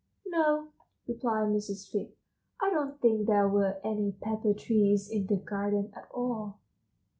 "No," replied Mrs. Fig, "I don't think there were any pepper trees in the garden at all."